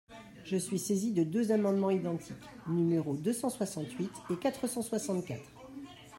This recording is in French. Je suis saisi de deux amendements identiques, numéros deux cent soixante-huit et quatre cent soixante-quatre.